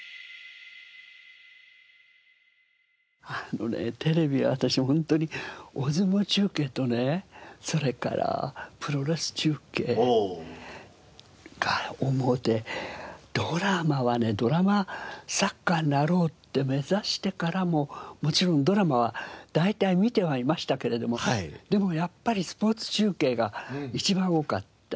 あのねテレビは私ホントに大相撲中継とねそれからプロレス中継が主でドラマはねドラマ作家になろうって目指してからも。もちろんドラマは大体観てはいましたけれどもでもやっぱりスポーツ中継が一番多かったですね。